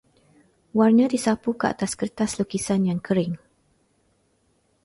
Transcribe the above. Warna disapu ke atas kertas lukisan yang kering.